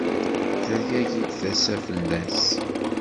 Tergagi-d tasa-s fell-as.